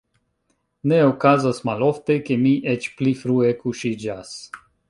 Ne okazas malofte, ke mi eĉ pli frue kuŝiĝas.